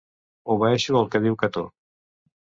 Obeeixo el que diu Cató.